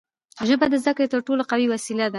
ژبه د زدهکړې تر ټولو قوي وسیله ده.